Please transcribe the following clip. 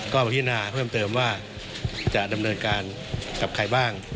ก็พิจารณาเพิ่มเติมว่าจะดำเนินการกับใครบ้าง